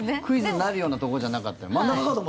クイズになるようなところじゃなかったよね